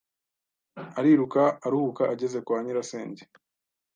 Ariruka aruhuka ageze kwa nyirasenge